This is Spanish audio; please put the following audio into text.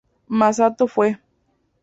Masato Fue